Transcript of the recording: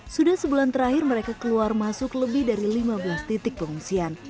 sudah sebulan terakhir mereka keluar masuk lebih dari lima belas titik pengungsian